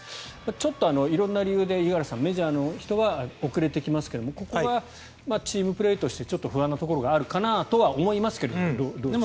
ちょっと色んな理由で五十嵐さん、メジャーの人は遅れてきますがここはチームプレーとしてちょっと不安なところかもしれませんがいかがですか？